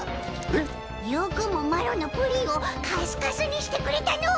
よくもマロのプリンをカスカスにしてくれたの。